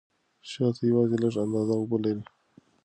شات یوازې لږه اندازه اوبه لري.